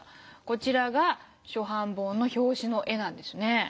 こちらが初版本の表紙の絵なんですね。